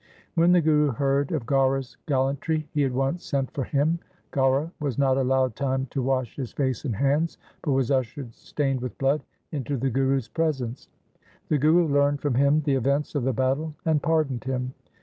When the Guru heard of Gaura's gallantry he at once sent for him Gaura was not allowed time to wash his face and hands, but was ushered stained with blood into the Guru's presence. The Guru learned from him the events of the battle and pardoned him.